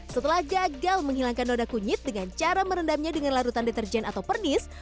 setelah gagal menghilangkan noda kunyit dengan cara merendamnya dengan larutan deterjen atau pernis